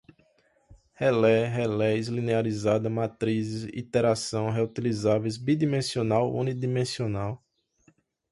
relé, relés, linearizada, matrizes, iteração, reutilizáveis, bidimensional, unidimensional